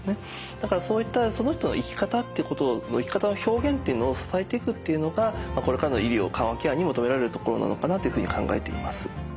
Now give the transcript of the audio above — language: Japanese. だからそういったその人の生き方っていうことの生き方の表現っていうのを支えていくっていうのがこれからの医療緩和ケアに求められるところなのかなっていうふうに考えています。